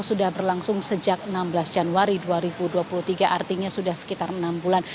sudah berlangsung sejak enam belas januari dua ribu dua puluh tiga artinya sudah sekitar enam bulan